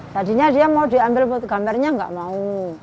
tadinya dia mau diambil gambarnya nggak mau